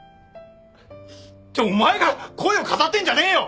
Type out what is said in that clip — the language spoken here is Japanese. ってお前が恋を語ってんじゃねえよ！